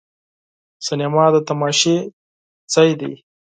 سینما د تماشا ځای دی.